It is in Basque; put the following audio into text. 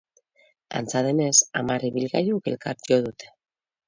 Antza denez, hamar ibilgailuk elkar jo dute.